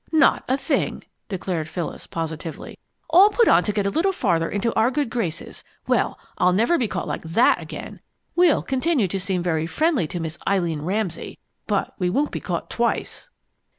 "Not a thing!" declared Phyllis, positively. "All put on to get a little farther into our good graces. Well, I'll never be caught like that again. We'll continue to seem very friendly to Miss Eileen Ramsay, but we won't be caught twice!"